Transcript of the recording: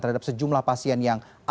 terhadap sejumlah pasien yang ada di jakarta